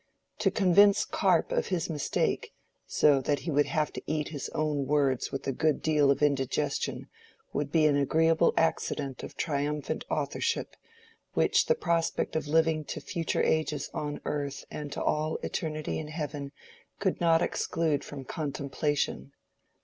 To convince Carp of his mistake, so that he would have to eat his own words with a good deal of indigestion, would be an agreeable accident of triumphant authorship, which the prospect of living to future ages on earth and to all eternity in heaven could not exclude from contemplation.